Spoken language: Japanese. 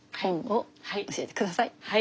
はい。